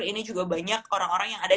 ini juga banyak orang orang yang ada